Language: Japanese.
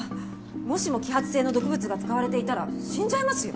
もしも揮発性の毒物が使われていたら死んじゃいますよ！？